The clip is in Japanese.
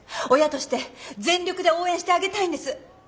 親として全力で応援してあげたいんです。